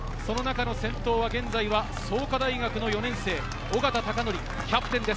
先頭は現在は創価大学の４年生・緒方貴典キャプテンです。